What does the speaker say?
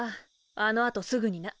あの後すぐにな。